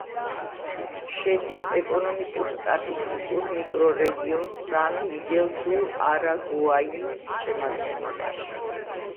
შედის ეკონომიკურ-სტატისტიკურ მიკრორეგიონ სან-მიგელ-დუ-არაგუაიის შემადგენლობაში.